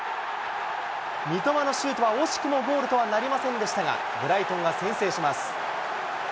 三笘のシュートは惜しくもゴールとはなりませんでしたが、ブライトンが先制します。